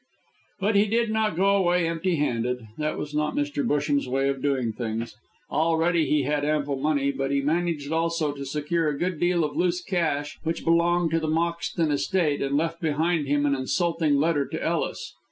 But he did not go away empty handed; that was not Mr. Busham's way of doing things. Already he had ample money, but he managed also to secure a good deal of loose cash which belonged to the Moxton estate, and left behind him an insulting letter to Ellis.